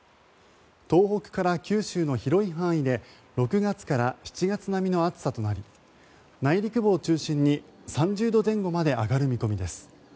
東北から九州の広い範囲で６月から７月並みの暑さとなり内陸部を中心に３０度前後まで上がる見通しです。